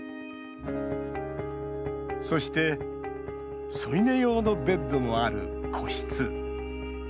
そして、添い寝用のベッドもある個室。